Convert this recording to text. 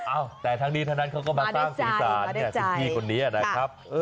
อ้าวแต่ทั้งนี้แนะนำเขาก็มาสร้างสีสารเนี่ย๑๒คนเนี่ยนะครับ